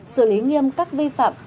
xử lý nghiêm cắt vi phạm